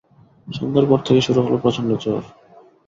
সন্ধ্যার পর থেকে শুরু হলো প্রচণ্ড ঝড়।